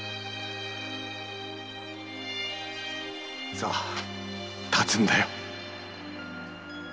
さぁ立つんだよ。